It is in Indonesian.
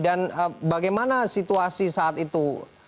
dan bagaimana situasi saat itu